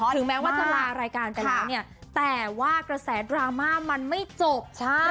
ถึงแม้ว่าจะลารายการไปแล้วเนี่ยแต่ว่ากระแสดราม่ามันไม่จบ